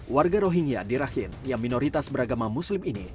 warga rohingya dirahim yang minoritas beragama muslim ini